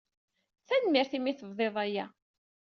Tanemmirt imi ay tebḍiḍ aya!